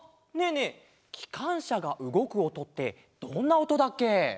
えきかんしゃがうごくおとってどんなおとだっけ？